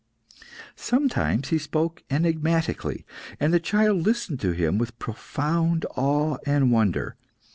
Sometimes he spoke enigmatically, and the child listened to him with profound awe and wonder.